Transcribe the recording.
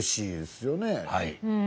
はい。